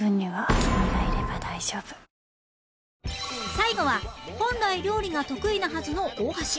最後は本来料理が得意なはずの大橋